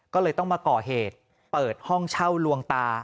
ก็เลยต้องมาก่อเหตุเปิดห้องเช่าลวงตา